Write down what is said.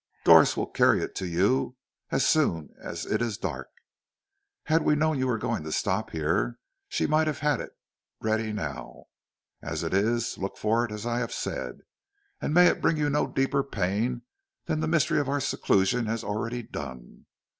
"Doris will carry it to you as soon as it is dark. Had we known you were going to stop here, she might have had it ready now. As it is, look for it as I have said, and may it bring you no deeper pain than the mystery of our seclusion has already done.